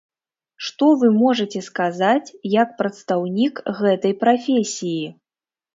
Што вы можаце сказаць як прадстаўнік гэтай прафесіі?